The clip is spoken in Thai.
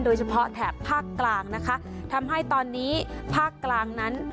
แถบภาคกลางนะคะทำให้ตอนนี้ภาคกลางนั้น